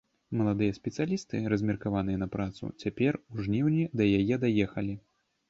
Маладыя спецыялісты, размеркаваныя на працу, цяпер, у жніўні, да яе даехалі.